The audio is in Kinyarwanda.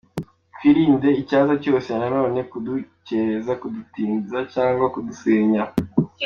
Twirinde icyaza cyose na none kudukereza, kutudindiza cyangwa kudusenya.